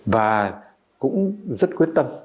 và cũng rất quyết tâm